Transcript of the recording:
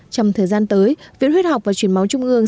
trong thời gian tới viện huyết học và chuyển máu trung ương